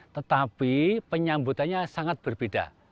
tetapi penyambutannya sangat berbeda